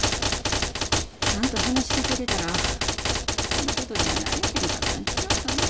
ちゃんと話聞けてたらこんなことにはなれへんかったん違うかなぁ。